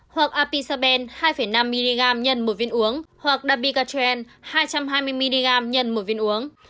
hoặc apisaben hai năm mg x một viên uống hoặc dabigatran hai trăm hai mươi mg x một viên uống